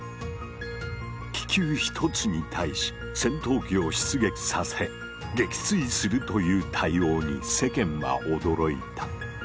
気球１つに対し戦闘機を出撃させ撃墜するという対応に世間は驚いた。